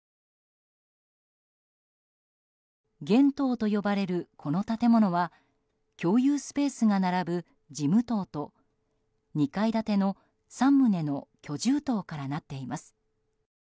現棟と呼ばれるこの建物は共有スペースが並ぶ事務棟と２階建ての３棟の居住棟からなっています。